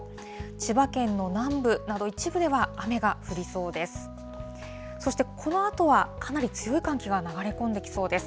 千葉県の南部など、一部では雨が降りそうです。